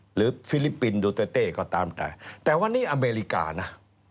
หรือฟิลิปปินดูเต้ก็ตามแต่แต่ว่านี้อเมริกานะ